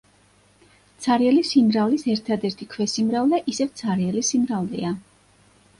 ცარიელი სიმრავლის ერთადერთი ქვესიმრავლე ისევ ცარიელი სიმრავლეა.